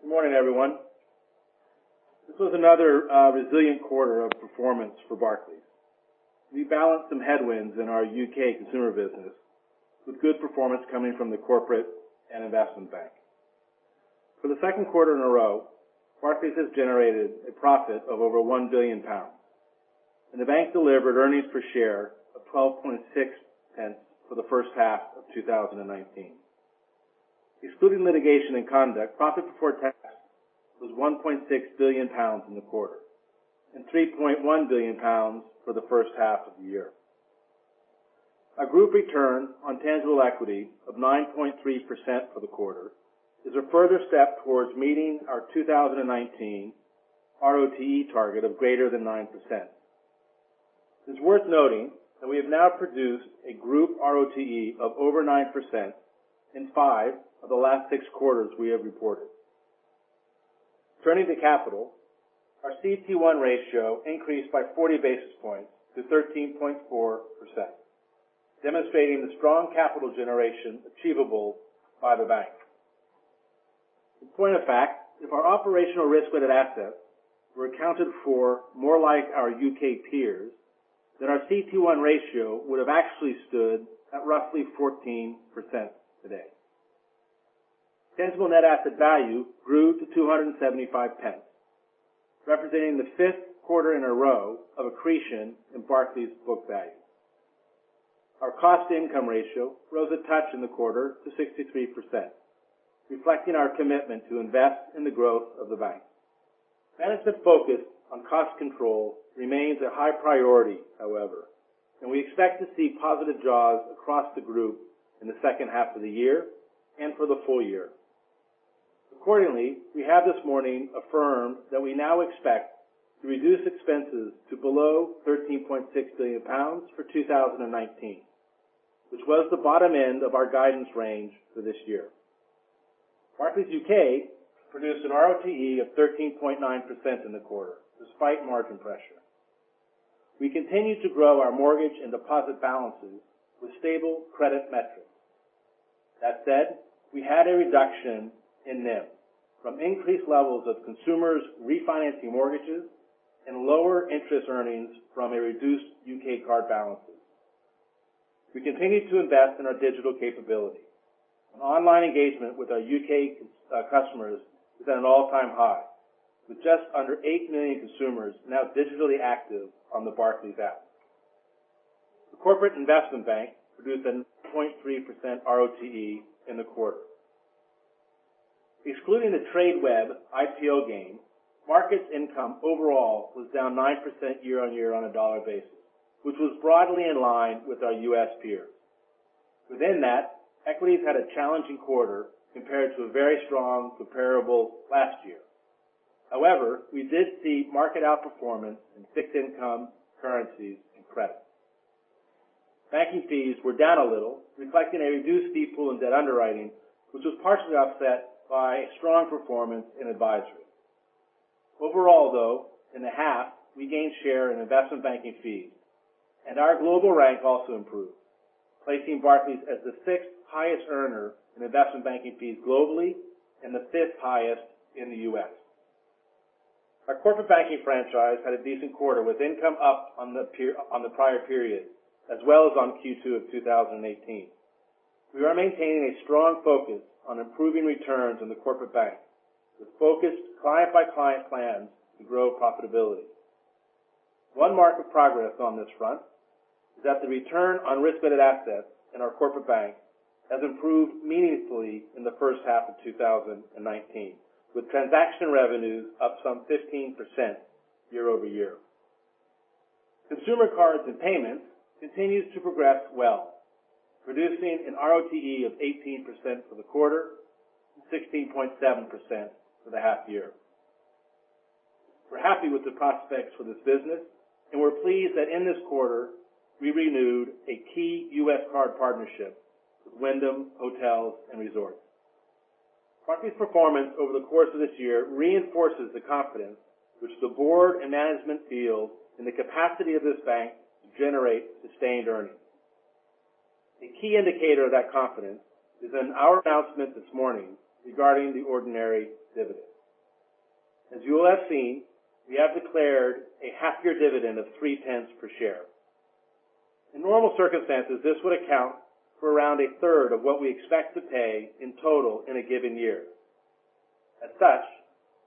Good morning, everyone. This was another resilient quarter of performance for Barclays. We balanced some headwinds in our U.K. consumer business with good performance coming from the corporate and investment bank. For the second quarter in a row, Barclays has generated a profit of over 1 billion pounds, and the bank delivered earnings per share of 0.126 for the first half of 2019. Excluding litigation and conduct, profit before tax was 1.6 billion pounds in the quarter, and 3.1 billion pounds for the first half of the year. Our group return on tangible equity of 9.3% for the quarter is a further step towards meeting our 2019 ROTE target of greater than 9%. It's worth noting that we have now produced a group ROTE of over 9% in five of the last six quarters we have reported. Turning to capital, our CET1 ratio increased by 40 basis points to 13.4%, demonstrating the strong capital generation achievable by the bank. In point of fact, if our operational Risk-Weighted Assets were accounted for more like our U.K. peers, then our CET1 ratio would have actually stood at roughly 14% today. Tangible Net Asset Value grew to 2.75, representing the fifth quarter in a row of accretion in Barclays' book value. Our cost-to-income ratio rose a touch in the quarter to 63%, reflecting our commitment to invest in the growth of the bank. Management focus on cost control remains a high priority, however, We expect to see positive jaws across the group in the second half of the year and for the full year. Accordingly, we have this morning affirmed that we now expect to reduce expenses to below 13.6 billion pounds for 2019, which was the bottom end of our guidance range for this year. Barclays UK produced an RoTE of 13.9% in the quarter, despite margin pressure. We continue to grow our mortgage and deposit balances with stable credit metrics. That said, we had a reduction in NIM from increased levels of consumers refinancing mortgages and lower interest earnings from a reduced U.K. card balances. We continue to invest in our digital capability. Online engagement with our U.K. customers is at an all-time high, with just under 8 million consumers now digitally active on the Barclays app. The Corporate & Investment Bank produced a 0.3% RoTE in the quarter. Excluding the Tradeweb IPO gain, markets income overall was down 9% year on year on a USD basis, which was broadly in line with our U.S. peers. Within that, equities had a challenging quarter compared to a very strong comparable last year. However, we did see market outperformance in Fixed Income, Currencies, and Credit. Banking fees were down a little, reflecting a reduced fee pool in debt underwriting, which was partially offset by strong performance in advisory. Overall, though, in the half, we gained share in investment banking fees, and our global rank also improved, placing Barclays as the sixth highest earner in investment banking fees globally and the fifth highest in the U.S. Our corporate banking franchise had a decent quarter, with income up on the prior period as well as on Q2 of 2018. We are maintaining a strong focus on improving returns in the Corporate Bank, with focused client-by-client plans to grow profitability. One mark of progress on this front is that the return on Risk-Weighted Assets in our Corporate Bank has improved meaningfully in the first half of 2019, with transaction revenues up some 15% year-over-year. Consumer, Cards & Payments continues to progress well, producing an RoTE of 18% for the quarter and 16.7% for the half year. We're happy with the prospects for this business, and we're pleased that in this quarter, we renewed a key U.S. card partnership with Wyndham Hotels & Resorts. Barclays' performance over the course of this year reinforces the confidence which the board and management feel in the capacity of this bank to generate sustained earnings. A key indicator of that confidence is in our announcement this morning regarding the ordinary dividend. As you will have seen, we have declared a half-year dividend of GBP 0.03 per share. In normal circumstances, this would account for around a third of what we expect to pay in total in a given year.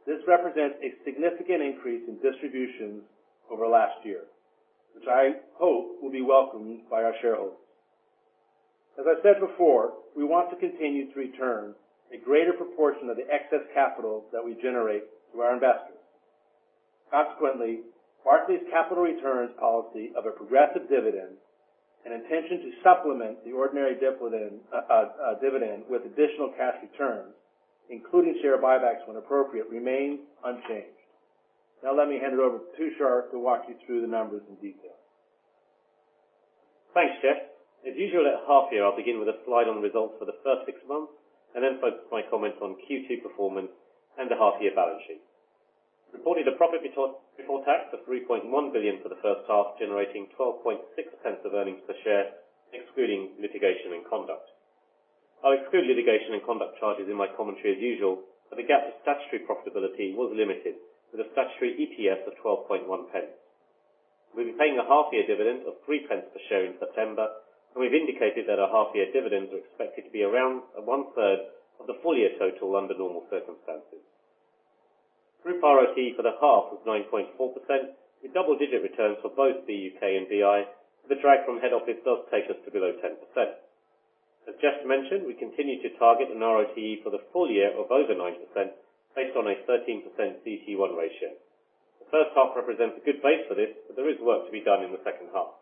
This represents a significant increase in distributions over last year, which I hope will be welcomed by our shareholders. As I said before, we want to continue to return a greater proportion of the excess capital that we generate to our investors. Barclays' capital returns policy of a progressive dividend and intention to supplement the ordinary dividend with additional cash returns, including share buybacks when appropriate, remains unchanged. Let me hand it over to Tushar, who'll walk you through the numbers in detail. Thanks, Jes. As usual at half year, I'll begin with a slide on the results for the first six months and then focus my comments on Q2 performance and the half year balance sheet. We reported a profit before tax of 3.1 billion for the first half, generating 0.126 of earnings per share, excluding litigation and conduct. I'll exclude litigation and conduct charges in my commentary as usual, the gap to statutory profitability was limited with a statutory EPS of 0.121. We'll be paying a half year dividend of 0.03 per share in September, and we've indicated that our half year dividends are expected to be around one third of the full year total under normal circumstances. Group RoTE for the half was 9.4%, with double digit returns for both the UK and BI. The drag from head office does take us to below 10%. As Jes mentioned, we continue to target an RoTE for the full year of over 90%, based on a 13% CET1 ratio. The first half represents a good base for this, but there is work to be done in the second half.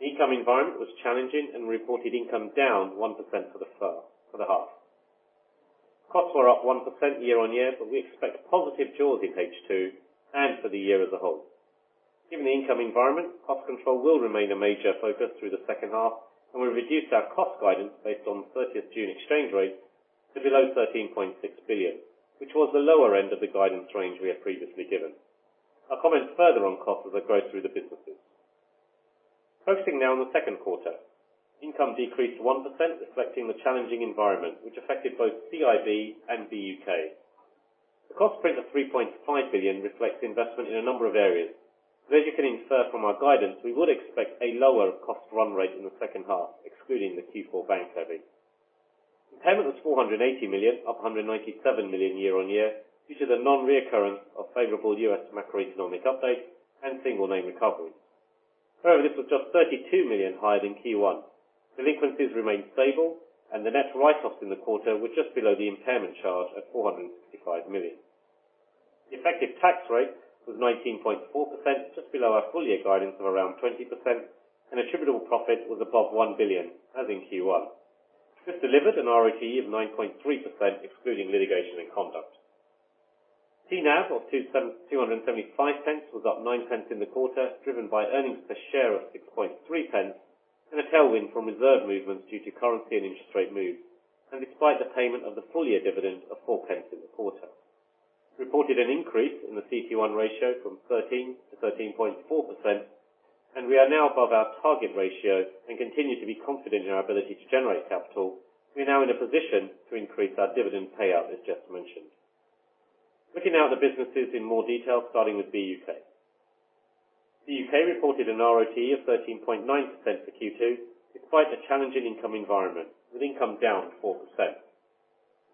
The income environment was challenging and reported income down 1% for the half. Costs were up 1% year-on-year, but we expect positive jaws in H2 and for the year as a whole. Given the income environment, cost control will remain a major focus through the second half, and we've reduced our cost guidance based on 30th June exchange rates to below 13.6 billion, which was the lower end of the guidance range we had previously given. I'll comment further on costs as I go through the businesses. Focusing now on the second quarter. Income decreased 1%, reflecting the challenging environment which affected both CIB and the UK. The cost print of 3.5 billion reflects investment in a number of areas. As you can infer from our guidance, we would expect a lower cost run rate in the second half, excluding the Q4 bank levy. Impairment was 480 million, up 197 million year-on-year, due to the non-reoccurrence of favorable U.S. macroeconomic updates and single name recoveries. However, this was just 32 million higher than Q1. Delinquencies remained stable and the net write-offs in the quarter were just below the impairment charge at 465 million. The effective tax rate was 19.4%, just below our full year guidance of around 20%, and attributable profit was above 1 billion, as in Q1. This delivered an RoTE of 9.3%, excluding litigation and conduct. TNAV of 2.75 was up 0.09 in the quarter, driven by earnings per share of 0.063 and a tailwind from reserve movements due to currency and interest rate moves, and despite the payment of the full year dividend of 0.04 in the quarter. We reported an increase in the CET1 ratio from 13 to 13.4%. We are now above our target ratio and continue to be confident in our ability to generate capital. We are now in a position to increase our dividend payout, as just mentioned. Looking now at the businesses in more detail, starting with the U.K. The U.K. reported a RoTE of 13.9% for Q2, despite a challenging income environment with income down 4%.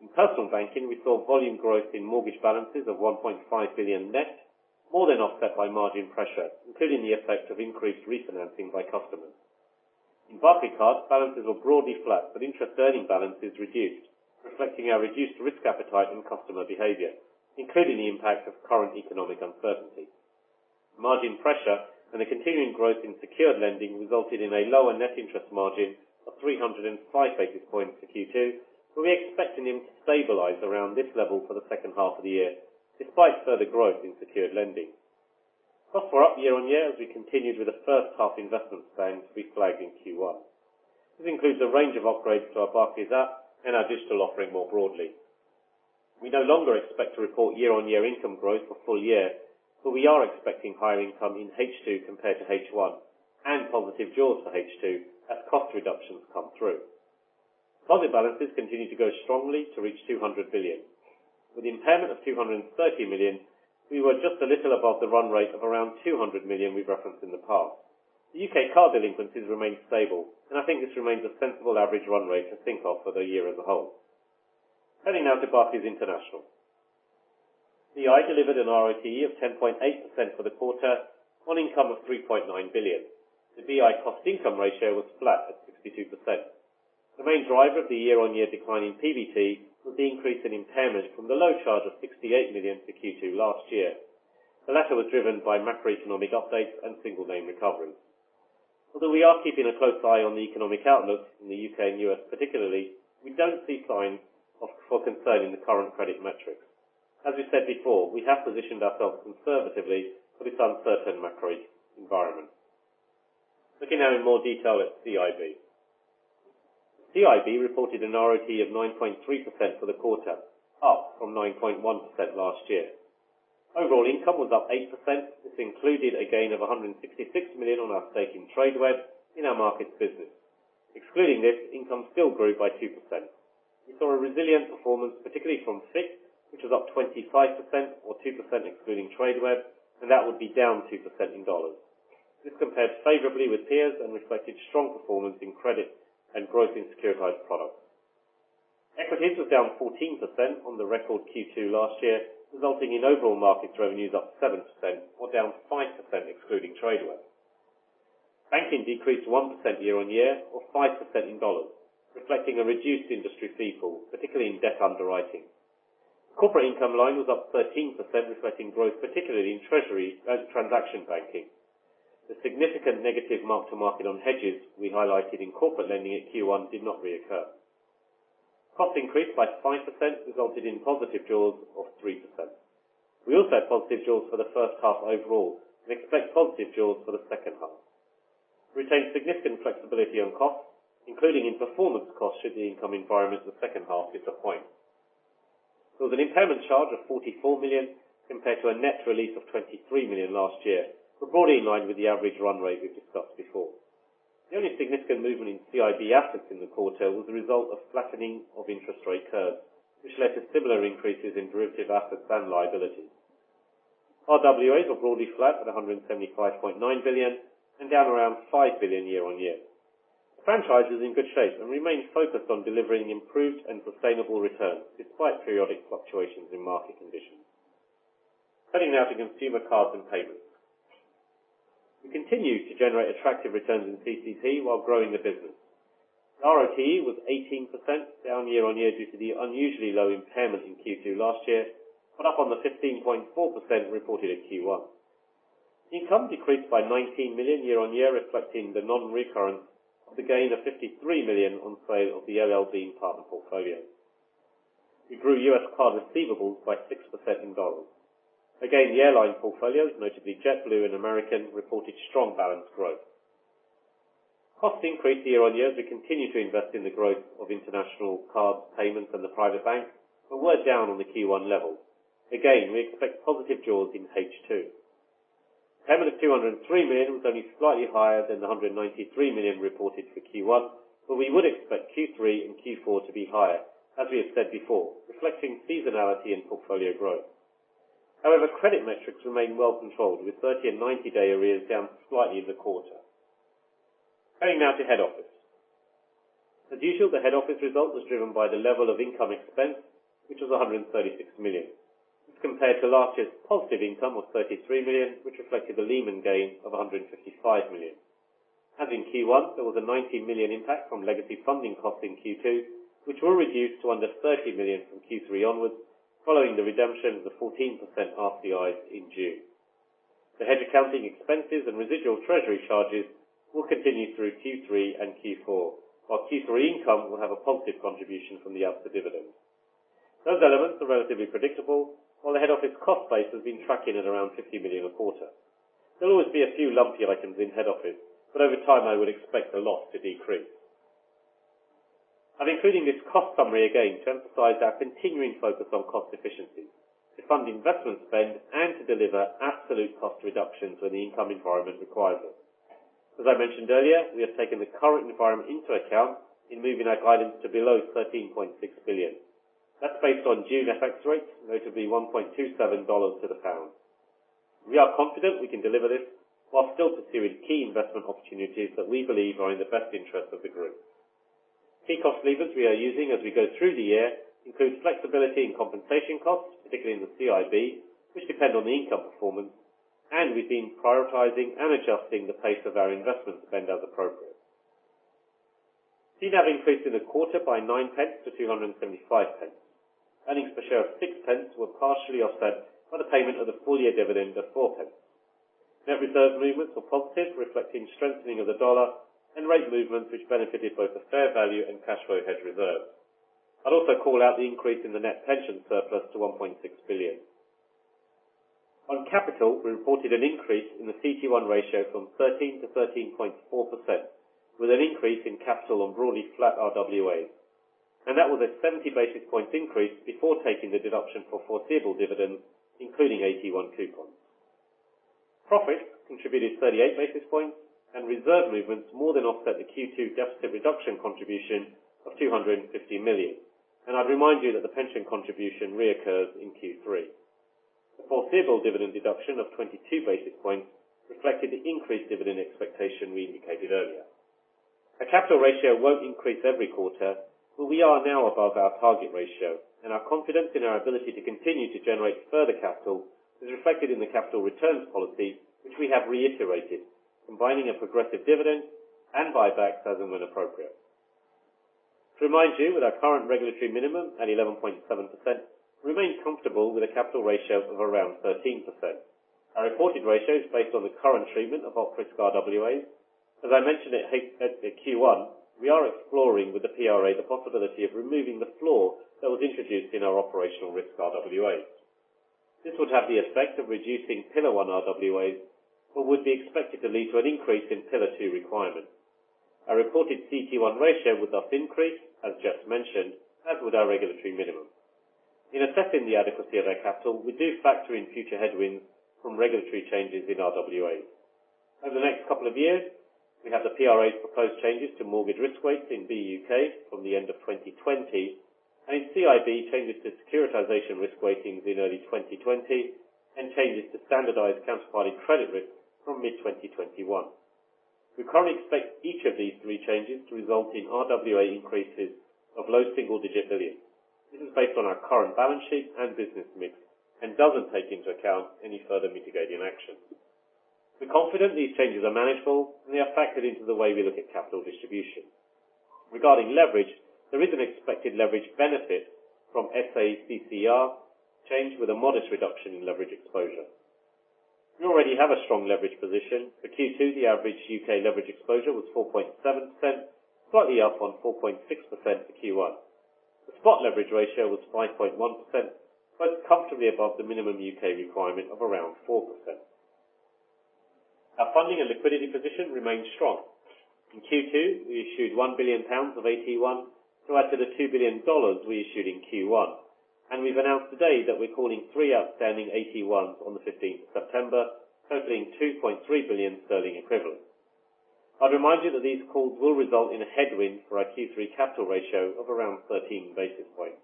In personal banking, we saw volume growth in mortgage balances of 1.5 billion net, more than offset by margin pressure, including the effect of increased refinancing by customers. In Barclaycard, balances were broadly flat, but interest earning balances reduced, reflecting our reduced risk appetite and customer behavior, including the impact of current economic uncertainty. Margin pressure and the continuing growth in secured lending resulted in a lower net interest margin of 305 basis points for Q2. We're expecting it to stabilize around this level for the second half of the year, despite further growth in secured lending. Costs were up year-on-year as we continued with the first half investment plan to be flagged in Q1. This includes a range of upgrades to our Barclays app and our digital offering more broadly. We no longer expect to report year-on-year income growth for full year, but we are expecting higher income in H2 compared to H1 and positive jaws for H2 as cost reductions come through. Deposit balances continue to grow strongly to reach 200 billion. With impairment of 230 million, we were just a little above the run rate of around 200 million we've referenced in the past. The U.K. card delinquencies remained stable, and I think this remains a sensible average run rate to think of for the year as a whole. Turning now to Barclays International. BI delivered an RoTE of 10.8% for the quarter, on income of 3.9 billion. The BI cost income ratio was flat at 62%. The main driver of the year-on-year decline in PBT was the increase in impairment from the low charge of 68 million for Q2 last year. The latter was driven by macroeconomic updates and single name recoveries. Although we are keeping a close eye on the economic outlook in the U.K. and U.S. particularly, we don't see signs for concern in the current credit metrics. As we said before, we have positioned ourselves conservatively for this uncertain macro environment. Looking now in more detail at CIB. CIB reported an RoTE of 9.3% for the quarter, up from 9.1% last year. Overall income was up 8%. This included a gain of 166 million on our stake in Tradeweb in our markets business. Excluding this, income still grew by 2%. We saw a resilient performance, particularly from FICC, which was up 25% or 2% excluding Tradeweb, and that would be down 2% in USD. This compared favorably with peers and reflected strong performance in credit and growth in securitized products. Equities was down 14% on the record Q2 last year, resulting in overall market revenues up 7% or down 5% excluding Tradeweb. Banking decreased 1% year-on-year or 5% in USD, reflecting a reduced industry fee pool, particularly in debt underwriting. The corporate income line was up 13%, reflecting growth, particularly in treasury and transaction banking. The significant negative mark to market on hedges we highlighted in corporate lending at Q1 did not reoccur. Cost increase by 5% resulted in positive jaws of 3%. We also had positive jaws for the first half overall and expect positive jaws for the second half. We retain significant flexibility on costs, including in performance costs, should the income environment in the second half disappoint. There was an impairment charge of 44 million compared to a net release of 23 million last year, but broadly in line with the average run rate we've discussed before. The only significant movement in CIB assets in the quarter was a result of flattening of interest rate curves, which led to similar increases in derivative assets and liabilities. RWAs were broadly flat at 175.9 billion and down around 5 billion year-on-year. The franchise is in good shape and remains focused on delivering improved and sustainable returns, despite periodic fluctuations in market conditions. Turning now to consumer cards and payments. We continue to generate attractive returns in CCP while growing the business. RoTE was 18%, down year-on-year due to the unusually low impairment in Q2 last year, but up on the 15.4% reported at Q1. Income decreased by 19 million year-on-year, reflecting the non-recurrent of the gain of 53 million on sale of the L.L.Bean partner portfolio. We grew U.S. card receivables by 6% in dollars. The airline portfolios, notably JetBlue and American, reported strong balance growth. Costs increased year-over-year as we continue to invest in the growth of international card payments and the private bank, but were down on the Q1 levels. We expect positive jaws in H2. Payment of 203 million was only slightly higher than the 193 million reported for Q1, but we would expect Q3 and Q4 to be higher, as we have said before, reflecting seasonality in portfolio growth. However, credit metrics remain well controlled, with 30 and 90-day arrears down slightly in the quarter. Turning now to head office. As usual, the head office result was driven by the level of income expense, which was 136 million. This compared to last year's positive income of 33 million, which reflected the Lehman gain of 155 million. As in Q1, there was a 19 million impact from legacy funding costs in Q2, which will reduce to under 30 million from Q3 onwards, following the redemption of the 14% RCIs in June. The hedge accounting expenses and residual treasury charges will continue through Q3 and Q4, while Q3 income will have a positive contribution from the AT1 dividend. Those elements are relatively predictable, while the head office cost base has been tracking at around 50 million a quarter. There will always be a few lumpy items in head office, but over time, I would expect the loss to decrease. I'm including this cost summary again to emphasize our continuing focus on cost efficiency, to fund investment spend, and to deliver absolute cost reductions when the income environment requires it. As I mentioned earlier, we have taken the current environment into account in moving our guidance to below 13.6 billion. The spot leverage ratio was 5.1%, quite comfortably above the minimum U.K. requirement of around 4%. Our funding and liquidity position remains strong. In Q2, we issued 1 billion pounds of AT1 to add to the $2 billion we issued in Q1. We've announced today that we're calling three outstanding AT1s on the 15th of September, totaling 2.3 billion sterling equivalent. I'd remind you that these calls will result in a headwind for our Q3 capital ratio of around 13 basis points.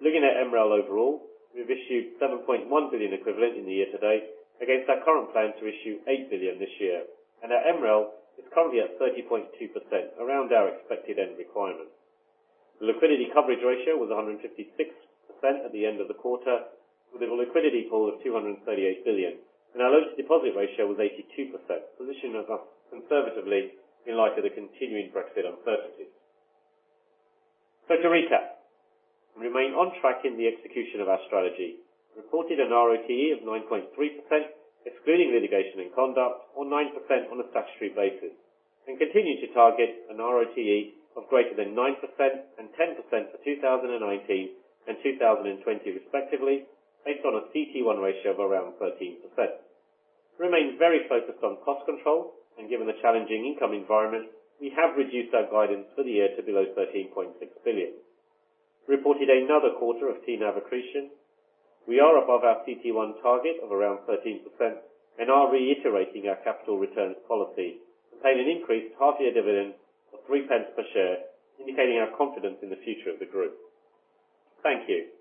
We've issued 7.1 billion equivalent in the year to date against our current plan to issue 8 billion this year. Our MREL is currently at 30.2%, around our expected end requirement. The liquidity coverage ratio was 156% at the end of the quarter, with a liquidity pool of 238 billion. Our loan-to-deposit ratio was 82%, positioning us conservatively in light of the continuing Brexit uncertainties. To recap, we remain on track in the execution of our strategy. Reported an RoTE of 9.3%, excluding litigation and conduct, or 9% on a statutory basis, and continue to target an RoTE of greater than 9% and 10% for 2019 and 2020 respectively, based on a CET1 ratio of around 13%. We remain very focused on cost control, and given the challenging income environment, we have reduced our guidance for the year to below 13.6 billion. Reported another quarter of TNAV accretion. We are above our CET1 target of around 13% and are reiterating our capital returns policy to pay an increased half-year dividend of 0.03 per share, indicating our confidence in the future of the group. Thank you.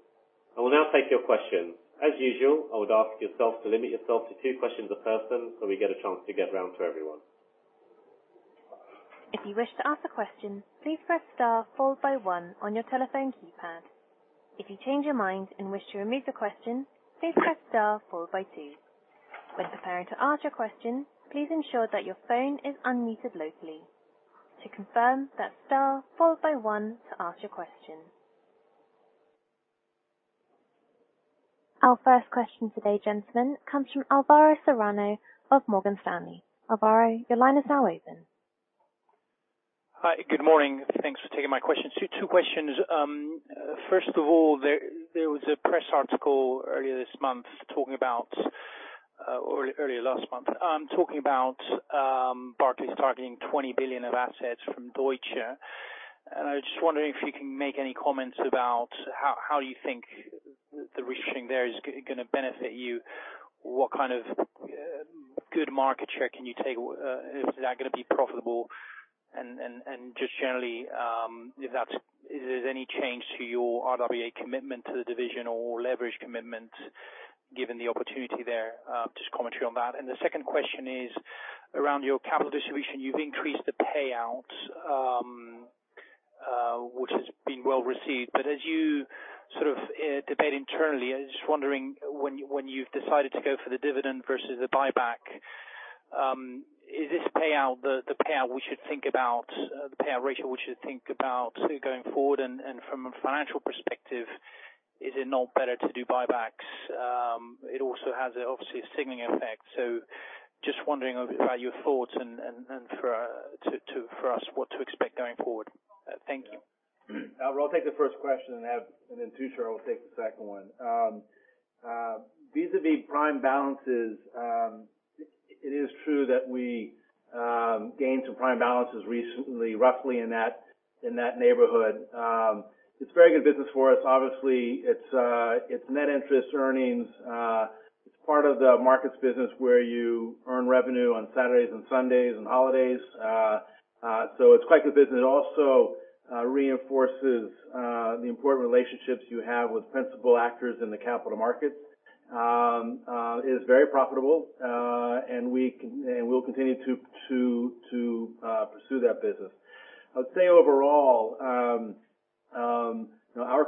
I will now take your questions. As usual, I would ask yourself to limit yourself to two questions a person so we get a chance to get round to everyone. If you wish to ask a question, please press star followed by one on your telephone keypad. If you change your mind and wish to remove the question, please press star followed by two. When preparing to ask your question, please ensure that your phone is unmuted locally. To confirm, that's star followed by one to ask your question. Our first question today, gentlemen, comes from Alvaro Serrano of Morgan Stanley. Alvaro, your line is now open. Hi. Good morning. Thanks for taking my questions. Two questions. First of all, there was a press article earlier this month, or earlier last month, talking about Barclays targeting 20 billion of assets from Deutsche. I was just wondering if you can make any comments about how you think the risk sharing there is going to benefit you. What kind of good market share can you take? Is that going to be profitable? Just generally, if there's any change to your RWA commitment to the division or leverage commitment, given the opportunity there. Just commentary on that. The second question is around your capital distribution. You've increased the payout, which has been well received. As you debate internally, I was just wondering, when you've decided to go for the dividend versus the buyback, is this payout the payout we should think about, the payout ratio we should think about going forward? From a financial perspective, is it not better to do buybacks? It also has obviously a signaling effect. Just wondering about your thoughts and for us what to expect going forward. Thank you. Alvaro, I'll take the first question, and then Tushar will take the second one. Vis-a-vis prime balances, it is true that we gained some prime balances recently, roughly in that neighborhood. It's very good business for us. Obviously, it's net interest earnings. It's part of the markets business where you earn revenue on Saturdays and Sundays and holidays. It's quite good business. It also reinforces the important relationships you have with principal actors in the capital markets. It is very profitable, and we'll continue to pursue that business. I would say overall, our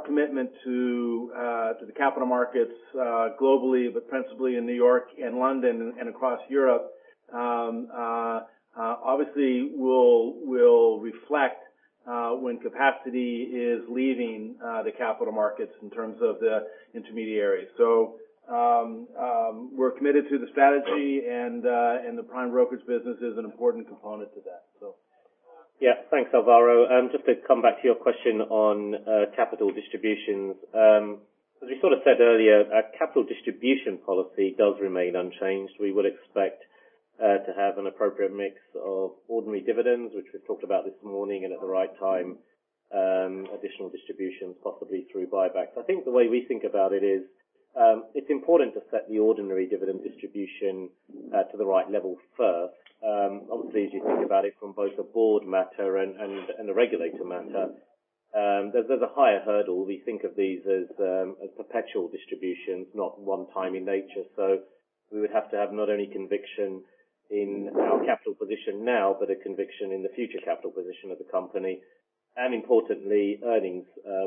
commitment to the capital markets globally, but principally in New York and London and across Europe, obviously will reflect when capacity is leaving the capital markets in terms of the intermediary. We're committed to the strategy, and the prime brokerage business is an important component to that. Yeah. Thanks, Alvaro. Just to come back to your question on capital distributions. As we sort of said earlier, our capital distribution policy does remain unchanged. We would expect to have an appropriate mix of ordinary dividends, which we've talked about this morning and at the right time, additional distributions, possibly through buybacks. I think the way we think about it is, it's important to set the ordinary dividend distribution to the right level first. Obviously, as you think about it from both a board matter and a regulator matter, there's a higher hurdle. We think of these as perpetual distributions, not one-time in nature. We would have to have not only conviction in our capital position now, but a conviction in the future capital position of the company, and importantly, earnings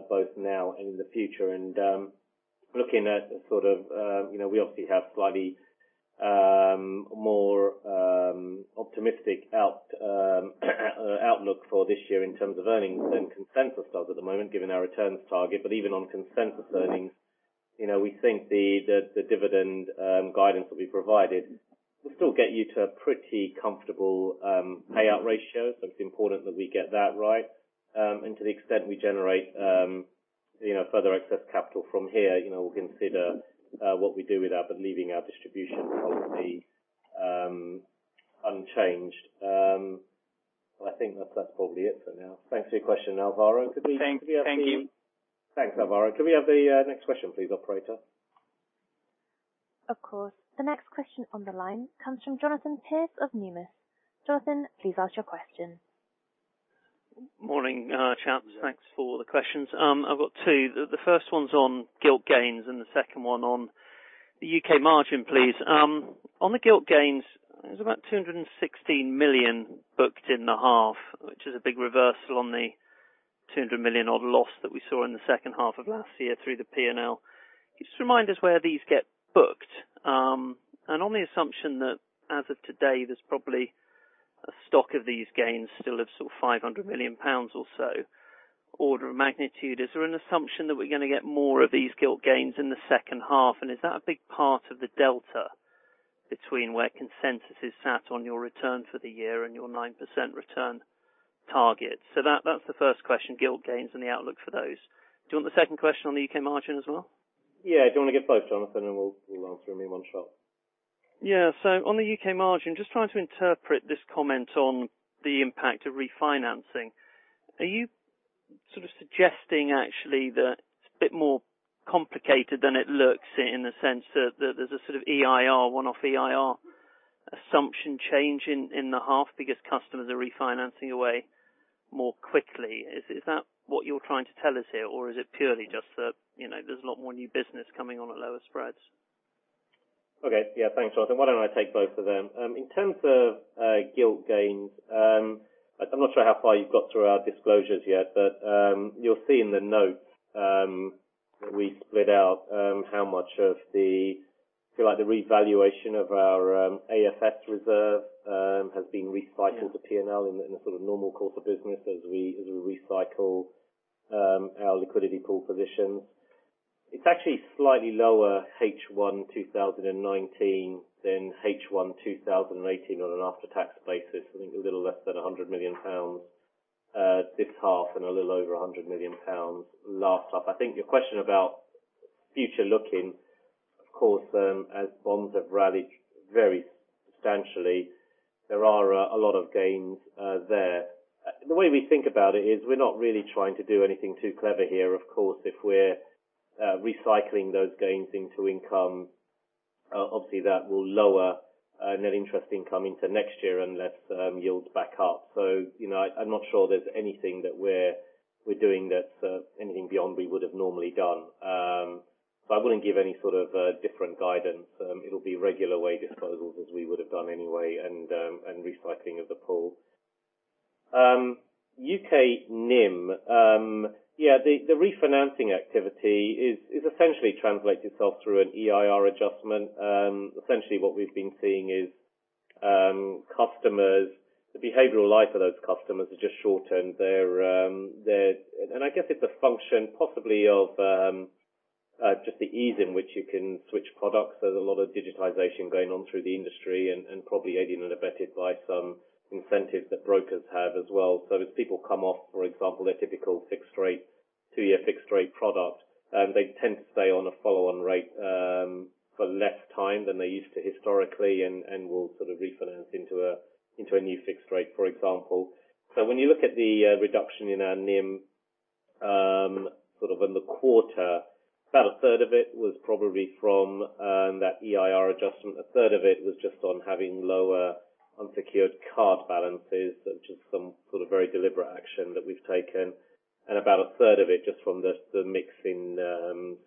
both now and in the future. Looking at sort of, we obviously have slightly more optimistic outlook for this year in terms of earnings than consensus does at the moment, given our returns target. Even on consensus earnings. We think the dividend guidance that we provided will still get you to a pretty comfortable payout ratio. It's important that we get that right. To the extent we generate further excess capital from here, we'll consider what we do with that, but leaving our distribution policy unchanged. I think that's probably it for now. Thanks for your question, Alvaro. Thank you. Thanks, Alvaro. Can we have the next question please, operator? Of course. The next question on the line comes from Jonathan Pierce of Numis. Jonathan, please ask your question. Morning, gents. Thanks for the questions. I've got two. The first one's on gilt gains and the second one on the U.K. margin, please. On the gilt gains, there's about 216 million booked in the half, which is a big reversal on the 200 million-odd loss that we saw in the second half of last year through the P&L. Just remind us where these get booked. On the assumption that as of today, there's probably a stock of these gains still of sort of 500 million pounds or so order of magnitude. Is there an assumption that we're going to get more of these gilt gains in the second half, and is that a big part of the delta between where consensus is sat on your return for the year and your 9% return target? That's the first question, gilt gains and the outlook for those. Do you want the second question on the UK margin as well? Yeah. Do you want to get both, Jonathan, and we'll answer them in one shot. On the U.K. margin, just trying to interpret this comment on the impact of refinancing. Are you sort of suggesting actually that it's a bit more complicated than it looks in the sense that there's a sort of EIR, one-off EIR assumption change in the half because customers are refinancing away more quickly. Is that what you're trying to tell us here, or is it purely just that there's a lot more new business coming on at lower spreads? Okay. Yeah. Thanks, Jonathan. Why don't I take both of them? In terms of gilt gains, I'm not sure how far you've got through our disclosures yet, you'll see in the notes that we split out how much of the revaluation of our AFS reserve has been recycled to P&L in the normal course of business as we recycle our liquidity pool positions. It's actually slightly lower H1 2019 than H1 2018 on an after-tax basis. I think a little less than 100 million pounds this half and a little over 100 million pounds last half. I think your question about future looking, of course, as bonds have rallied very substantially. There are a lot of gains there. The way we think about it is we're not really trying to do anything too clever here. Of course, if we're recycling those gains into income, obviously that will lower net interest income into next year unless yields back up. I'm not sure there's anything that we're doing that's anything beyond we would have normally done. I wouldn't give any sort of different guidance. It'll be regular way disposals as we would have done anyway and recycling of the pool. U.K. NIM. The refinancing activity is essentially translated itself through an EIR adjustment. Essentially what we've been seeing is customers, the behavioral life of those customers has just shortened. I guess it's a function possibly of just the ease in which you can switch products. There's a lot of digitization going on through the industry and probably aided and abetted by some incentives that brokers have as well. As people come off, for example, a typical two-year fixed rate product, they tend to stay on a follow-on rate for less time than they used to historically and will sort of refinance into a new fixed rate, for example. When you look at the reduction in our NIM sort of in the quarter, about a third of it was probably from that EIR adjustment. A third of it was just on having lower unsecured card balances, which is some sort of very deliberate action that we've taken. About a third of it just from the mix in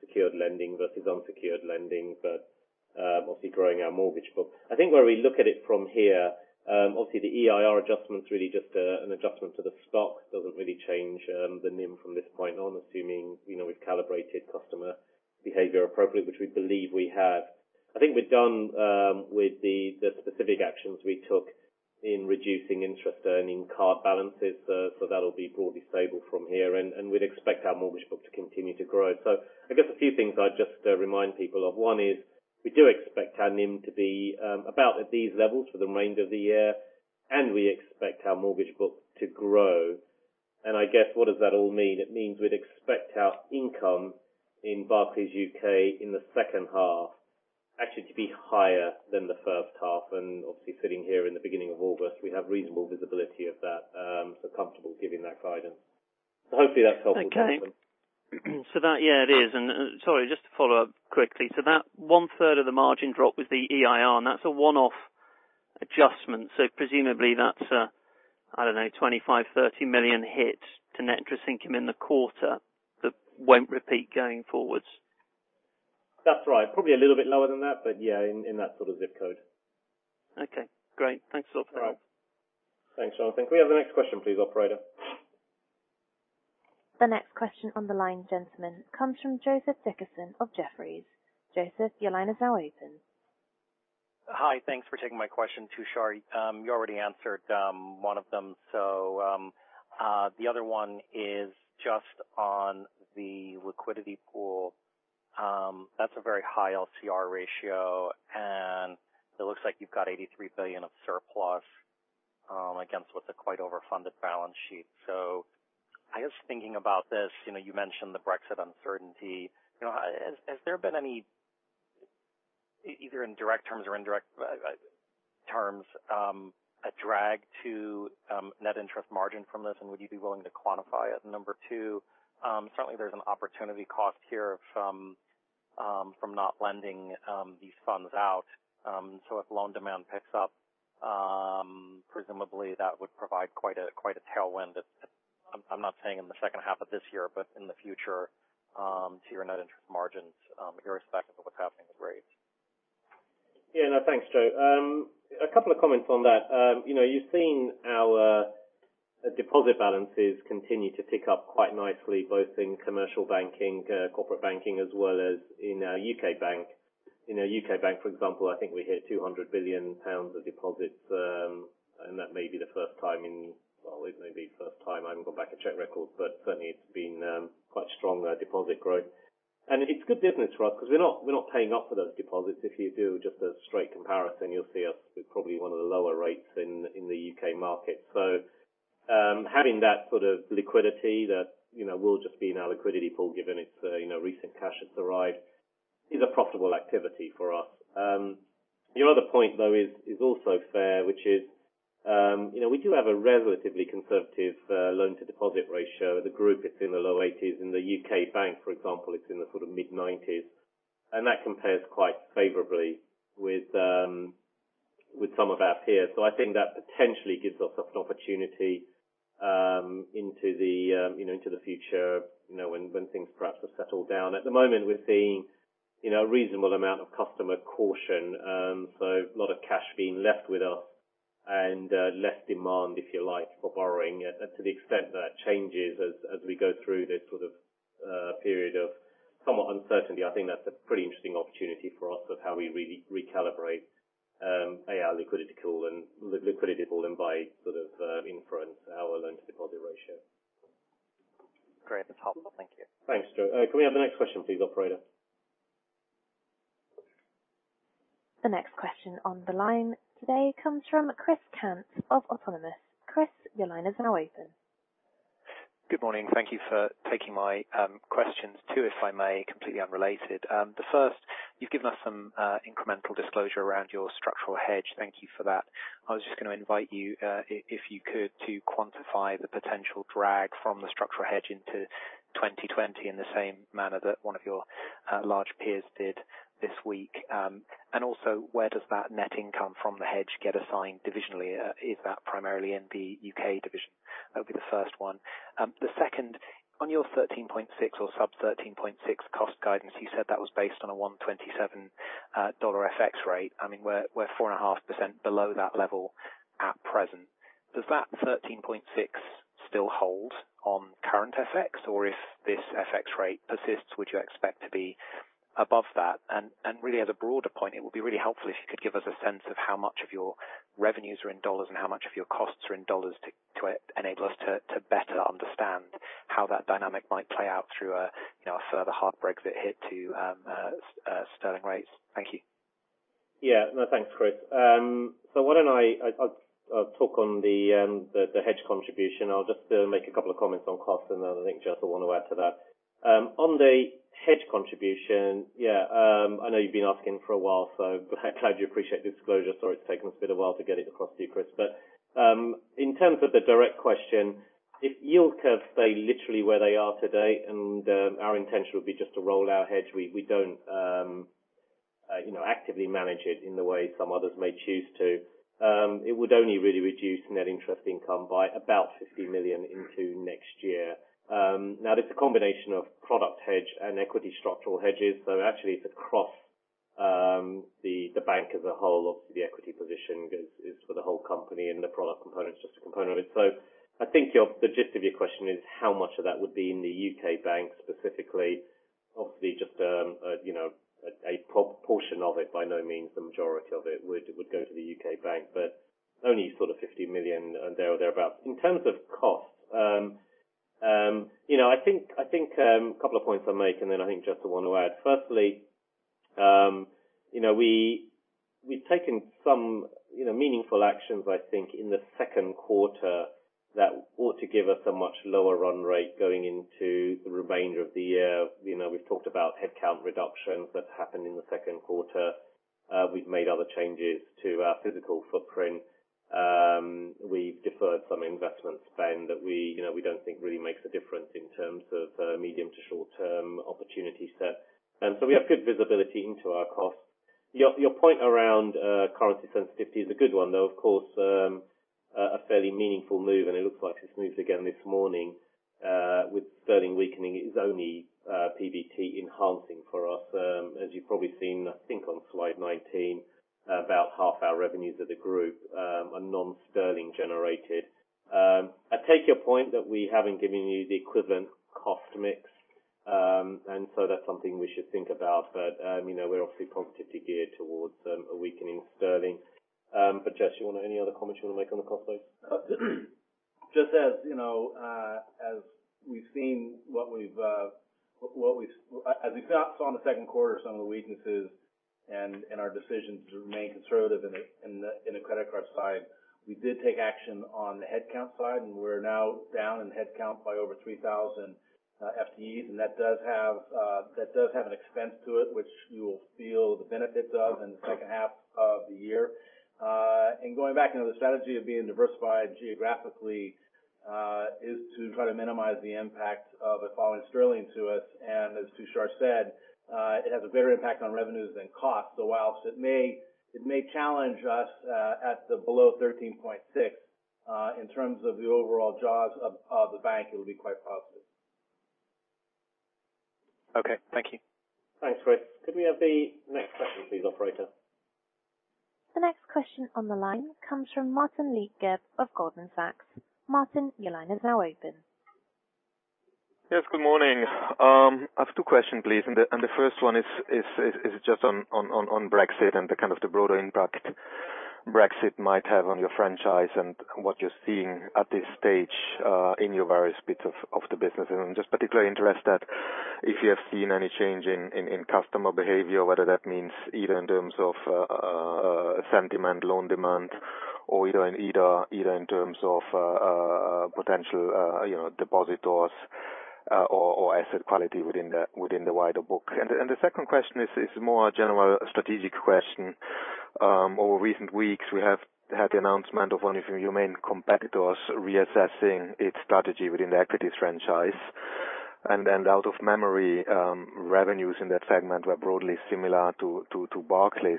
secured lending versus unsecured lending, but obviously growing our mortgage book. Where we look at it from here, obviously the EIR adjustment is really just an adjustment to the stock. Doesn't really change the NIM from this point on, assuming we've calibrated customer behavior appropriately, which we believe we have. I think we're done with the specific actions we took in reducing interest earning card balances. That'll be broadly stable from here, and we'd expect our mortgage book to continue to grow. I guess a few things I'd just remind people of. One is we do expect our NIM to be about at these levels for the remainder of the year, and we expect our mortgage book to grow. I guess what does that all mean? It means we'd expect our income in Barclays UK in the second half actually to be higher than the first half. Obviously sitting here in the beginning of August, we have reasonable visibility of that, so comfortable giving that guidance. Hopefully that's helpful, Jonathan. Okay. That, yeah, it is. Sorry, just to follow up quickly. That one third of the margin drop was the EIR, and that's a one-off adjustment. Presumably that's, I don't know, 25 million-30 million hit to net interest income in the quarter that won't repeat going forwards. That's right. Probably a little bit lower than that, but yeah, in that sort of zip code. Okay, great. Thanks a lot. All right. Thanks, Jonathan. Can we have the next question please, operator? The next question on the line, gentlemen, comes from Joseph Dickerson of Jefferies. Joseph, your line is now open. Hi. Thanks for taking my question, Tushar. You already answered one of them. The other one is just on the liquidity pool. That's a very high LCR ratio, and it looks like you've got 83 billion of surplus, against what's a quite overfunded balance sheet. I guess thinking about this, you mentioned the Brexit uncertainty. Has there been any, either in direct terms or indirect terms, a drag to net interest margin from this? Would you be willing to quantify it? Number 2, certainly there's an opportunity cost here from not lending these funds out. If loan demand picks up, presumably that would provide quite a tailwind. I'm not saying in the second half of this year, but in the future, to your net interest margins, irrespective of what's happening with rates. Yeah. No, thanks, Joe. A couple of comments on that. You've seen our deposit balances continue to tick up quite nicely, both in commercial banking, corporate banking, as well as in our Barclays UK. In our Barclays UK, for example, I think we hit 200 billion pounds of deposits. That may be the first time in well, it may be the first time. I haven't gone back to check records, certainly it's been quite strong deposit growth. It's good business for us because we're not paying up for those deposits. If you do just a straight comparison, you'll see us with probably one of the lower rates in the U.K. market. Having that sort of liquidity that will just be in our liquidity pool, given recent cash that's arrived, is a profitable activity for us. Your other point, though, is also fair, which is we do have a relatively conservative loan-to-deposit ratio. The group, it's in the low 80s. In the U.K. bank, for example, it's in the mid-90s. That compares quite favorably with some of our peers. I think that potentially gives us an opportunity into the future when things perhaps have settled down. At the moment, we're seeing a reasonable amount of customer caution. A lot of cash being left with us and less demand, if you like, for borrowing. To the extent that changes as we go through this period of somewhat uncertainty, I think that's a pretty interesting opportunity for us of how we recalibrate our liquidity pool and by inference, our loan-to-deposit ratio. Great. That's helpful. Thank you. Thanks, Joe. Can we have the next question please, operator? The next question on the line today comes from Chris Cant of Autonomous. Chris, your line is now open. Good morning. Thank you for taking my questions, two, if I may, completely unrelated. The first, you've given us some incremental disclosure around your structural hedge. Thank you for that. I was just going to invite you, if you could, to quantify the potential drag from the structural hedge into 2020 in the same manner that one of your large peers did this week. Also, where does that net income from the hedge get assigned divisionally? Is that primarily in the UK division? That would be the first one. The second, on your 13.6 or sub 13.6 cost guidance, you said that was based on a $1.27 FX rate. We're 4.5% below that level at present. Does that 13.6 still hold on current FX? If this FX rate persists, would you expect to be above that? Really as a broader point, it would be really helpful if you could give us a sense of how much of your revenues are in $ and how much of your costs are in $ to enable us to better understand how that dynamic might play out through a further hard Brexit hit to sterling rates. Thank you. Yeah. No, thanks, Chris. I'll talk on the hedge contribution. I'll just make a couple of comments on costs, and then I think Jes will want to add to that. On the hedge contribution, yeah, I know you've been asking for a while, so glad you appreciate the disclosure. Sorry it's taken us a bit of while to get it across to you, Chris. In terms of the direct question, if yield curves stay literally where they are today, and our intention would be just to roll our hedge. We don't actively manage it in the way some others may choose to. It would only really reduce net interest income by about 50 million into next year. Now that's a combination of product hedge and equity structural hedges. Actually it's across the bank as a whole. Obviously, the equity position is for the whole company, and the product component is just a component of it. I think the gist of your question is how much of that would be in Barclays UK specifically. Obviously, just a proportion of it, by no means the majority of it would go to Barclays UK, but only sort of 50 million there or thereabout. In terms of costs, I think a couple of points I'll make, and then I think Jes will want to add. Firstly, we've taken some meaningful actions, I think, in the second quarter that ought to give us a much lower run rate going into the remainder of the year. We've talked about headcount reductions that happened in the second quarter. We've made other changes to our physical footprint. We've deferred some investment spend that we don't think really makes a difference in terms of medium to short-term opportunity set. We have good visibility into our costs. Your point around currency sensitivity is a good one, though, of course, a fairly meaningful move, and it looks like it's moved again this morning. With sterling weakening, it is only PBT enhancing for us. As you've probably seen, I think on slide 19, about half our revenues of the group are non-sterling generated. I take your point that we haven't given you the equivalent cost mix. That's something we should think about. We're obviously positively geared towards a weakening sterling. Jes, any other comments you want to make on the cost base? Just as we saw in the second quarter some of the weaknesses and our decisions to remain conservative in the credit card side, we did take action on the headcount side, and we're now down in headcount by over 3,000 FTEs. That does have an expense to it, which you will feel the benefits of in the second half of the year. Going back, the strategy of being diversified geographically, is to try to minimize the impact of a falling sterling to us. As Tushar said, it has a bigger impact on revenues than costs. Whilst it may challenge us at the below 13.6 in terms of the overall jaws of the bank, it will be quite positive. Okay. Thank you. Thanks, Chris. Could we have the next question please, operator? The next question on the line comes from Martin Leitgeb of Goldman Sachs. Martin, your line is now open. Yes, good morning. I have two questions, please. The first one is just on Brexit and the kind of the broader impact Brexit might have on your franchise and what you're seeing at this stage in your various bits of the business. I'm just particularly interested if you have seen any change in customer behavior, whether that means either in terms of sentiment, loan demand, or either in terms of potential depositors or asset quality within the wider book. The second question is more a general strategic question. Over recent weeks, we have had the announcement of one of your main competitors reassessing its strategy within the equities franchise. Out of memory, revenues in that segment were broadly similar to Barclays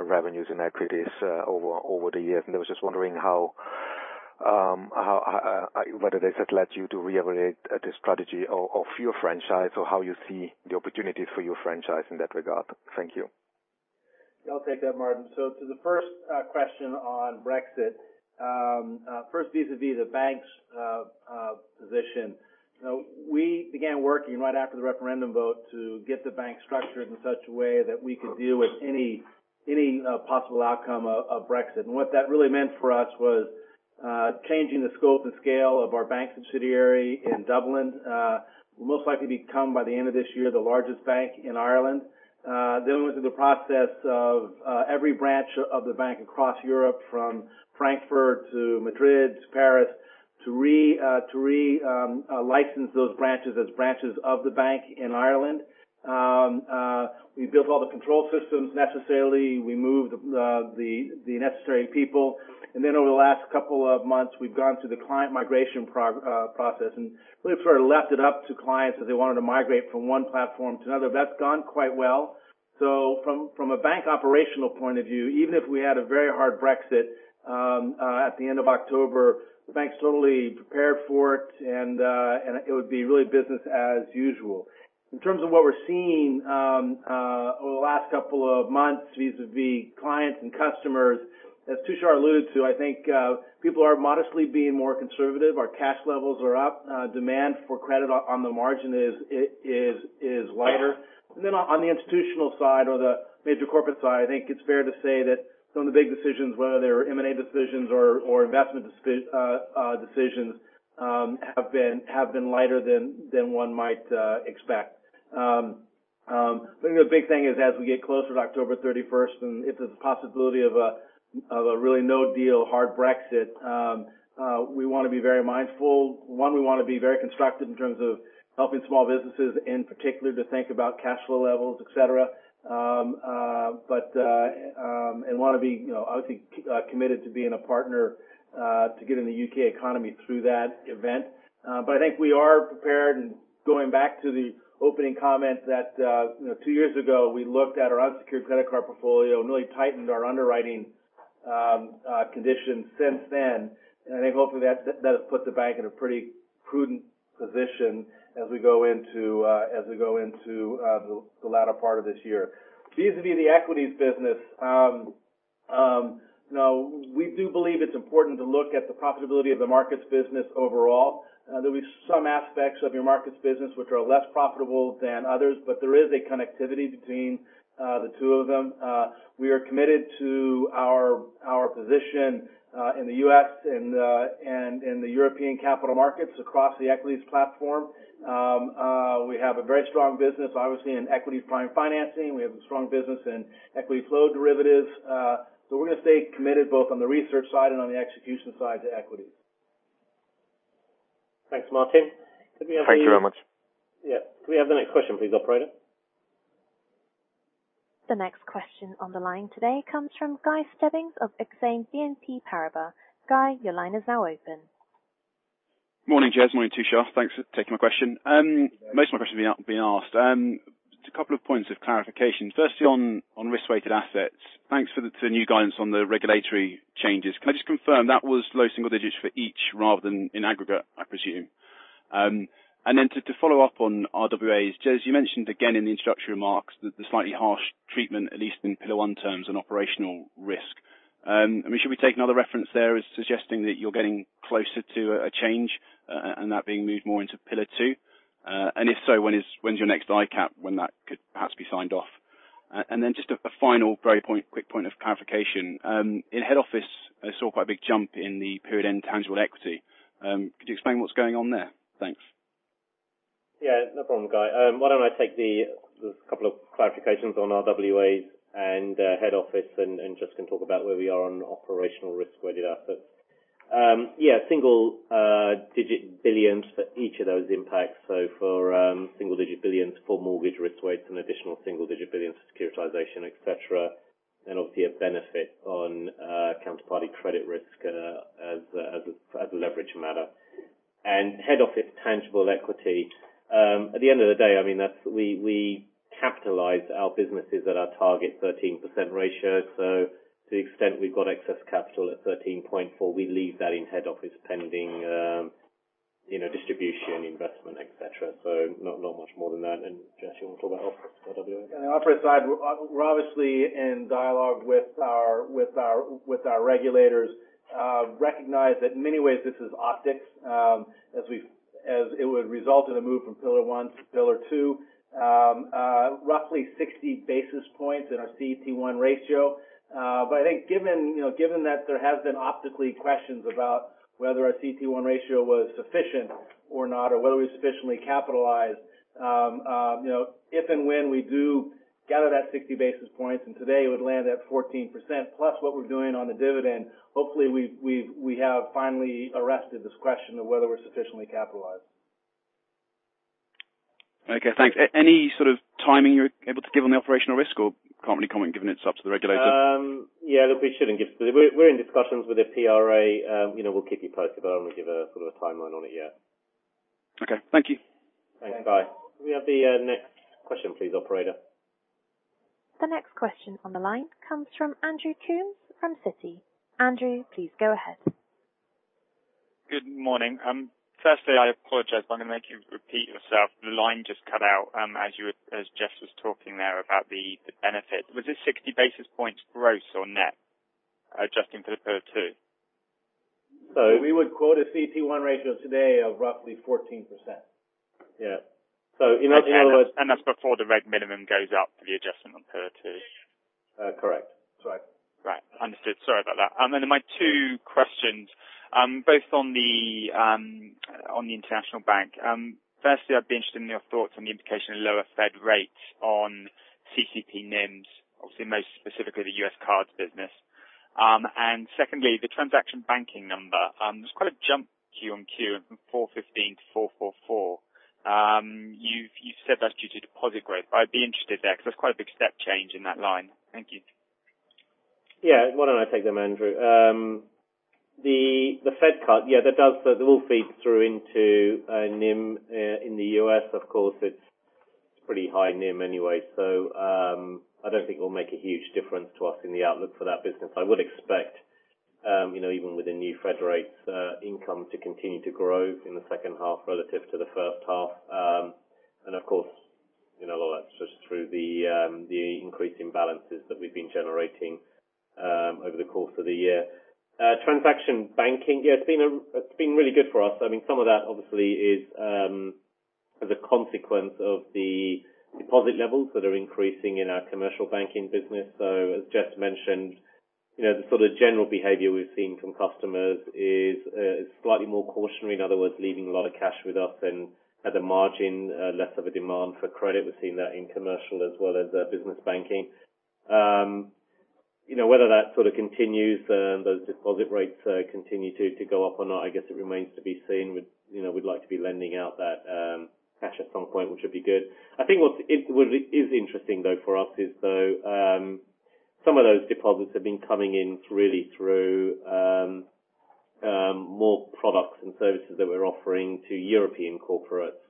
revenues and equities over the years. I was just wondering whether this has led you to reevaluate the strategy of your franchise, or how you see the opportunities for your franchise in that regard. Thank you. I'll take that, Martin. To the first question on Brexit. First vis-a-vis the bank's position. We began working right after the referendum vote to get the bank structured in such a way that we could deal with any possible outcome of Brexit. What that really meant for us was changing the scope and scale of our bank subsidiary in Dublin. We'll most likely become, by the end of this year, the largest bank in Ireland. Went through the process of every branch of the bank across Europe, from Frankfurt to Madrid to Paris, to relicense those branches as branches of the bank in Ireland. We built all the control systems necessarily. We moved the necessary people. Over the last couple of months, we've gone through the client migration process and really sort of left it up to clients if they wanted to migrate from one platform to another. That's gone quite well. From a bank operational point of view, even if we had a very hard Brexit at the end of October, the bank's totally prepared for it, and it would be really business as usual. In terms of what we're seeing over the last couple of months vis-a-vis clients and customers, as Tushar alluded to, I think people are modestly being more conservative. Our cash levels are up. Demand for credit on the margin is lighter. On the institutional side or the major corporate side, it's fair to say that some of the big decisions, whether they're M&A decisions or investment decisions, have been lighter than one might expect. The big thing is as we get closer to October 31st, if there's a possibility of a really no deal hard Brexit, we want to be very mindful. One, we want to be very constructive in terms of helping small businesses, in particular, to think about cash flow levels, et cetera. Want to be obviously committed to being a partner to get in the U.K. economy through that event. We are prepared, and going back to the opening comments that two years ago, we looked at our unsecured credit card portfolio and really tightened our underwriting conditions since then. I think hopefully that has put the bank in a pretty prudent position as we go into the latter part of this year. Vis-a-vis the equities business. We do believe it's important to look at the profitability of the markets business overall. There'll be some aspects of your markets business which are less profitable than others, but there is a connectivity between the two of them. We are committed to our position in the U.S. and in the European capital markets across the equities platform. We have a very strong business, obviously, in equities prime financing. We have a strong business in equities flow derivatives. We're going to stay committed both on the research side and on the execution side to equities. Thanks, Martin. Thank you very much. Yeah. Could we have the next question please, operator? The next question on the line today comes from Guy Stebbings of Exane BNP Paribas. Guy, your line is now open. Morning, Jes. Morning, Tushar. Thanks for taking my question. Most of my question have been asked. Just a couple of points of clarification. Firstly on Risk-Weighted Assets. Thanks for the new guidance on the regulatory changes. Can I just confirm that was low single digits for each rather than in aggregate, I presume? Then to follow up on RWAs. Jes, you mentioned again in the introductory remarks the slightly harsh treatment, at least in Pillar 1 terms, on operational risk. Should we take another reference there as suggesting that you're getting closer to a change, and that being moved more into Pillar 2? If so, when is your next ICAAP when that could perhaps be signed off? Then just a final very quick point of clarification. In head office, I saw quite a big jump in the period-end tangible equity. Could you explain what's going on there? Thanks. Yeah. No problem, Guy. Why don't I take the couple of clarifications on RWAs and head office, and Jes can talk about where we are on operational risk-weighted assets. Yeah, single-digit billions for each of those impacts. For single-digit billions for mortgage risk weights and additional single-digit billions for securitization, et cetera, then obviously a benefit on counterparty credit risk as a leverage matter. Head office tangible equity. At the end of the day, we capitalize our businesses at our target 13% ratio. To the extent we've got excess capital at 13.4%, we leave that in head office pending distribution, investment, et cetera. Not much more than that. Jes, you want to talk about office RWA? On the operational side, we're obviously in dialogue with our regulators. Recognize that in many ways, this is optics, as it would result in a move from Pillar 1 to Pillar 2. Roughly 60 basis points in our CET1 ratio. I think given that there has been optically questions about whether our CET1 ratio was sufficient or not or whether we're sufficiently capitalized, if and when we do gather that 60 basis points, and today it would land at 14%, plus what we're doing on the dividend, hopefully we have finally arrested this question of whether we're sufficiently capitalized. Okay, thanks. Any sort of timing you're able to give on the operational risk or can't really comment given it's up to the regulator? Yeah, look, We're in discussions with the PRA. We'll keep you posted, I don't want to give a timeline on it yet. Okay. Thank you. Thanks, Guy. Can we have the next question please, operator? The next question on the line comes from Andrew Coombs from Citi. Andrew, please go ahead. Good morning. I apologize, I'm going to make you repeat yourself. The line just cut out as Jes was talking there about the benefit. Was it 60 basis points gross or net adjusting for Pillar 2? We would quote a CET1 ratio today of roughly 14%. That's before the reg minimum goes up for the adjustment on Pillar 2? Correct. That's right. Right. Understood. Sorry about that. My two questions, both on Barclays International. Firstly, I'd be interested in your thoughts on the implication of lower Fed rates on CCP NIMs, obviously most specifically the U.S. cards business. Secondly, the transaction banking number. There's quite a jump Q on Q from 415 to 444. You've said that's due to deposit growth, I'd be interested there because that's quite a big step change in that line. Thank you. Why don't I take them, Andrew? The Fed cut, that all feeds through into NIM in the U.S. Of course, it's pretty high NIM anyway, so I don't think it will make a huge difference to us in the outlook for that business. I would expect, even with the new Fed rates, income to continue to grow in the second half relative to the first half. Of course, a lot of that's just through the increasing balances that we've been generating over the course of the year. Transaction banking. It's been really good for us. Some of that obviously is as a consequence of the deposit levels that are increasing in our commercial banking business. As Jes mentioned, the general behavior we've seen from customers is slightly more cautionary. In other words, leaving a lot of cash with us and at the margin, less of a demand for credit. We've seen that in commercial as well as business banking. Whether that continues, those deposit rates continue to go up or not, I guess it remains to be seen. We'd like to be lending out that cash at some point, which would be good. I think what is interesting though for us is though, some of those deposits have been coming in really through more products and services that we're offering to European corporates.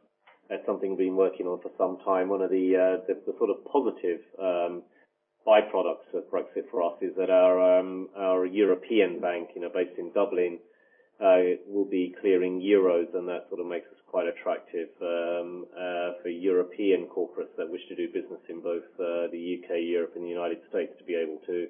That's something we've been working on for some time. One of the positive byproducts of Brexit for us is that our European bank based in Dublin will be clearing euros, and that makes us quite attractive for European corporates that wish to do business in both the U.K., Europe, and the U.S. to be able to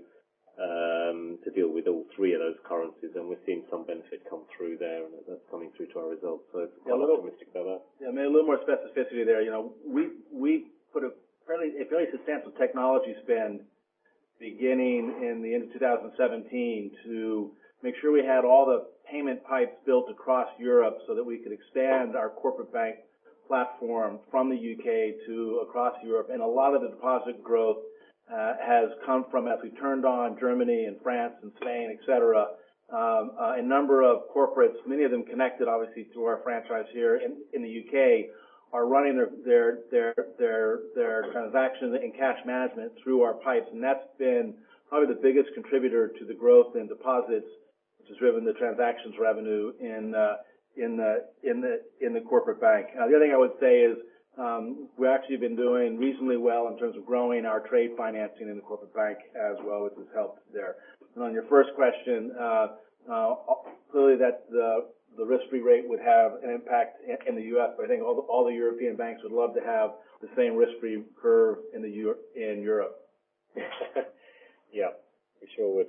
deal with all three of those currencies. We're seeing some benefit come through there, and that's coming through to our results. If you want to talk a bit about that. Yeah, maybe a little more specificity there. We put a fairly substantial technology spend beginning in the end of 2017 to make sure we had all the payment pipes built across Europe so that we could expand our Corporate Bank platform from the U.K. to across Europe. A lot of the deposit growth has come from, as we turned on Germany and France and Spain, et cetera, a number of corporates, many of them connected obviously to our franchise here in the U.K., are running their transactions and cash management through our pipes. That's been probably the biggest contributor to the growth in deposits, which has driven the transactions revenue in the Corporate Bank. The other thing I would say is we've actually been doing reasonably well in terms of growing our trade financing in the Corporate Bank as well, which has helped there. On your first question, clearly the risk-free rate would have an impact in the U.S., but I think all the European banks would love to have the same risk-free curve in Europe. Yeah. We sure would.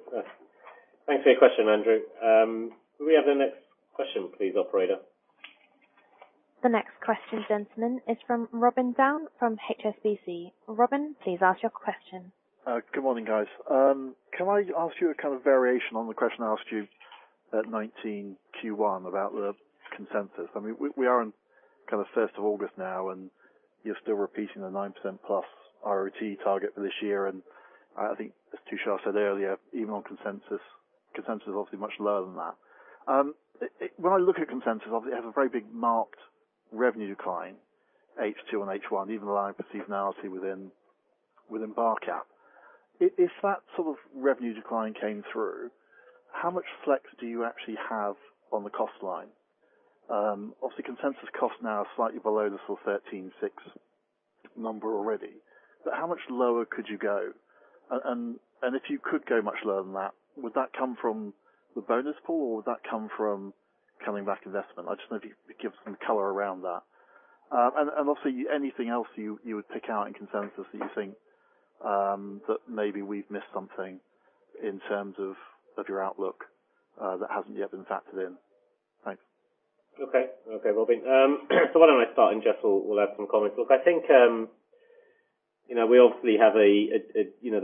Thanks for your question, Andrew. Could we have the next question please, operator? The next question, gentlemen, is from Robin Down from HSBC. Robin, please ask your question. Good morning, guys. Can I ask you a kind of variation on the question I asked you at 2019 Q1 about the consensus? We are on the 1st of August now, and you're still repeating the 9% plus RoTE target for this year. I think, as Tushar said earlier, even on consensus is obviously much lower than that. When I look at consensus, obviously, it has a very big marked revenue decline, H2 on H1, even though I perceive an Okay. Robin. Why don't I start and Jes will add some comments. Look, I think the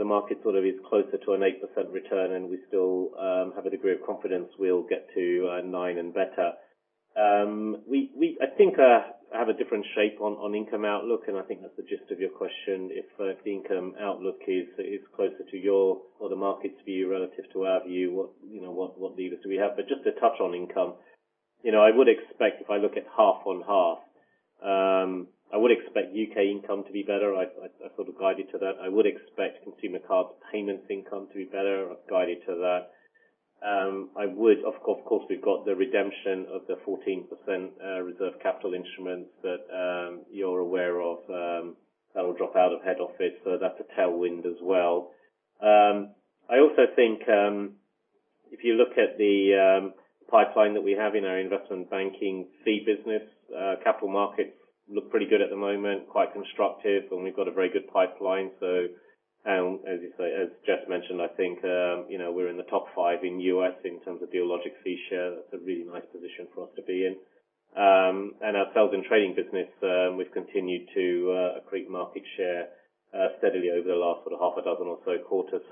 market sort of is closer to an 8% return, and we still have a degree of confidence we'll get to nine and better. I think I have a different shape on income outlook, and I think that's the gist of your question. If the income outlook is closer to your or the market's view relative to our view, what levers do we have? Just to touch on income, I would expect if I look at half on half, I would expect U.K. income to be better. I sort of guided to that. I would expect consumer card payments income to be better. I've guided to that. Of course, we've got the redemption of the 14% Reserve Capital Instruments that you're aware of. That will drop out of head office. That's a tailwind as well. I also think if you look at the pipeline that we have in our investment banking fee business, capital markets look pretty good at the moment, quite constructive, and we've got a very good pipeline. As Jes mentioned, I think we're in the top five in U.S. in terms of Dealogic fee share. That's a really nice position for us to be in. Our sales and trading business, we've continued to accrete market share steadily over the last sort of half a dozen or so quarters.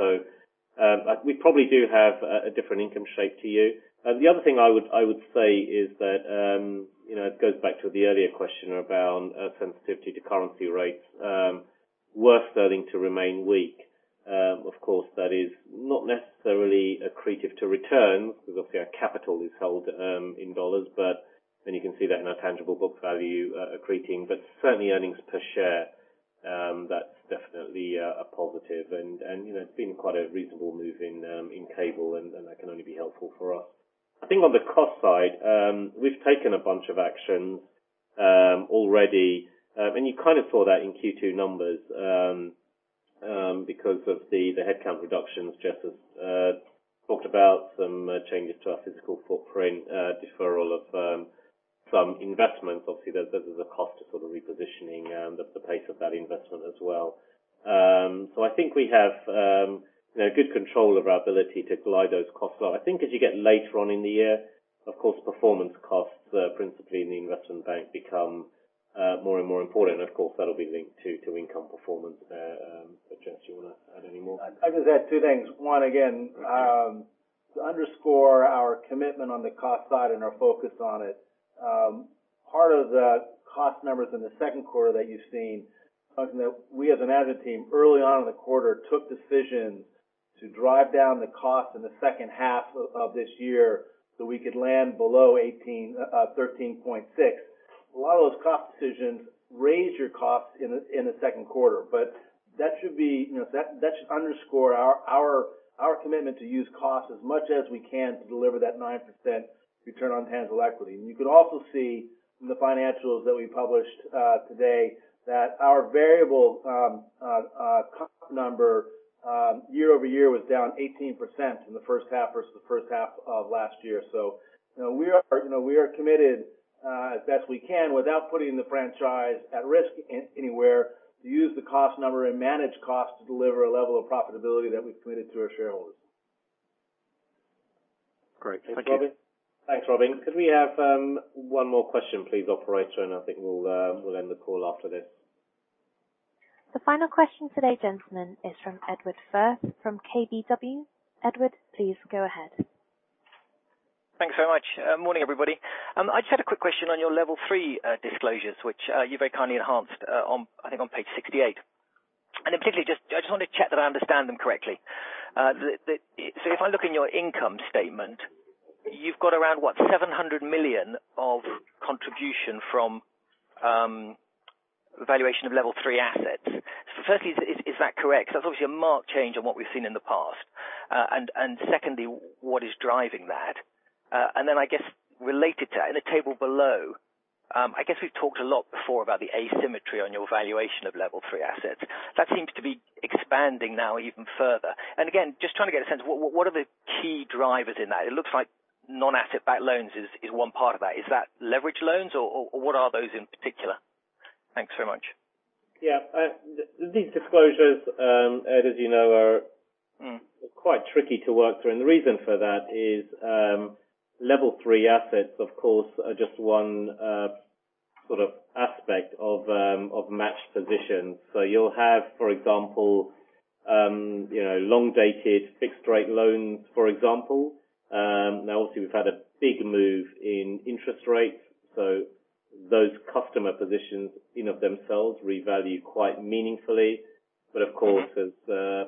We probably do have a different income shape to you. The other thing I would say is that, it goes back to the earlier question around sensitivity to currency rates. We're starting to remain weak. That is not necessarily accretive to return because obviously our capital is held in U.S. dollars, and you can see that in our tangible book value accreting. Certainly earnings per share, that's definitely a positive. It's been quite a reasonable move in cable, and that can only be helpful for us. I think on the cost side, we've taken a bunch of actions already, and you kind of saw that in Q2 numbers because of the headcount reductions Jes has talked about, some changes to our physical footprint, deferral of some investments. Obviously, there's a cost to sort of repositioning the pace of that investment as well. I think we have good control of our ability to glide those costs. I think as you get later on in the year, of course, performance costs, principally in the investment bank, become more and more important. Of course, that'll be linked to income performance. Jes, do you want to add any more? I'd just add two things. One, again, to underscore our commitment on the cost side and our focus on it. Part of the cost numbers in the second quarter that you've seen, we as a management team early on in the quarter took decisions to drive down the cost in the second half of this year so we could land below 13.6. A lot of those cost decisions raise your costs in the second quarter. That should underscore our commitment to use cost as much as we can to deliver that 9% return on tangible equity. You can also see in the financials that we published today that our variable cost number year-over-year was down 18% in the first half versus the first half of last year. We are committed as best we can without putting the franchise at risk anywhere to use the cost number and manage cost to deliver a level of profitability that we've committed to our shareholders. Great. Thank you. Thanks, Robin. Could we have one more question, please, operator? I think we'll end the call after this. The final question today, gentlemen, is from Edward Firth from KBW. Edward, please go ahead. Thanks very much. Morning, everybody. I just had a quick question on your level 3 disclosures, which you very kindly enhanced I think on page 68. In particular, I just want to check that I understand them correctly. If I look in your income statement, you've got around, what, 700 million of contribution from valuation of level 3 assets. Firstly, is that correct? That's obviously a marked change on what we've seen in the past. Secondly, what is driving that? Then I guess related to that, in the table below, I guess we've talked a lot before about the asymmetry on your valuation of level 3 assets. That seems to be expanding now even further. Again, just trying to get a sense, what are the key drivers in that? It looks like non-asset-backed loans is one part of that. Is that leverage loans, or what are those in particular? Thanks very much. Yeah. These disclosures, Ed, as you know, are quite tricky to work through. The reason for that is level 3 assets, of course, are just one sort of aspect of matched positions. You'll have, for example long-dated fixed rate loans, for example. Now, obviously, we've had a big move in interest rates, so those customer positions in of themselves revalue quite meaningfully. Of course,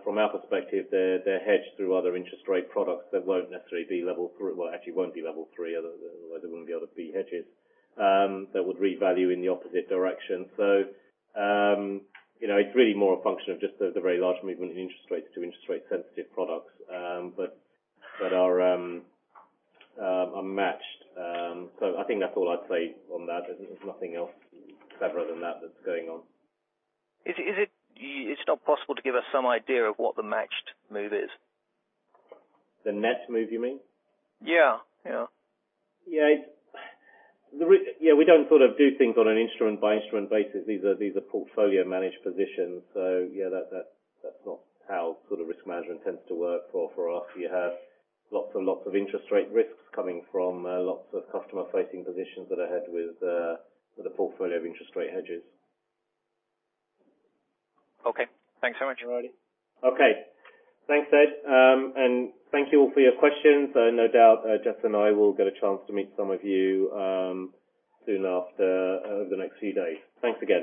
from our perspective, they're hedged through other interest rate products that won't necessarily be level 3. Actually won't be level 3. They wouldn't be able to be hedges that would revalue in the opposite direction. It's really more a function of just the very large movement in interest rates to interest rate sensitive products but are matched. I think that's all I'd say on that. There's nothing else other than that that's going on. It's not possible to give us some idea of what the matched move is? The net move, you mean? Yeah. Yeah. We don't sort of do things on an instrument by instrument basis. These are portfolio managed positions. That's not how risk management tends to work for us. You have lots and lots of interest rate risks coming from lots of customer-facing positions that are hedged with a portfolio of interest rate hedges. Okay. Thanks so much. Okay. Thanks, Ed. Thank you all for your questions. No doubt Jes and I will get a chance to meet some of you soon after over the next few days. Thanks again.